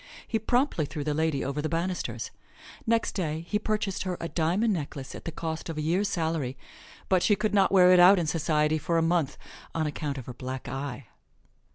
He promptly threw the lady over the banisters. Next day he purchased her a diamond necklace at the cost of a year's salary, but she could not wear it out in society for a month on account of her black eye.